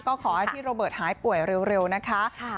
ก็ขอให้พี่โรเบิร์ตหายป่วยเร็วนะคะ